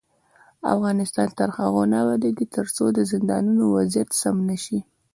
افغانستان تر هغو نه ابادیږي، ترڅو د زندانونو وضعیت سم نشي.